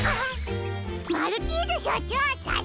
マルチーズしょちょうさっすが！